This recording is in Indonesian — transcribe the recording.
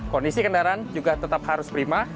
kondisi kendaraan juga tetap harus prima